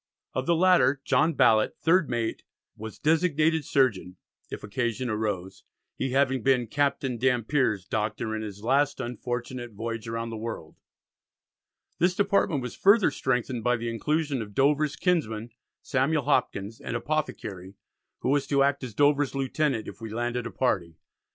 Of the latter, John Ballet, third mate, was designated surgeon if occasion arose, he having been "Captain Dampier's Doctor in his last unfortunate voyage round the world." This department was further strengthened by the inclusion of Dover's kinsman, Samuel Hopkins, an Apothecary, who was to act as Dover's lieutenant "if we landed a party."